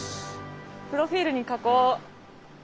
プロフィールに書こう。